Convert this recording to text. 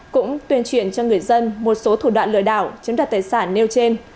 cũng tuyên truyền cho người dân một số thủ đoạn lừa đảo chiếm đặt tài sản nêu trên